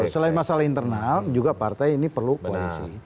selain masalah internal juga partai ini perlu koalisi